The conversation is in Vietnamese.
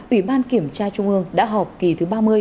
ủy ban kiểm tra trung ương đã họp kỳ thứ ba mươi